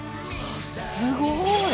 すごーい。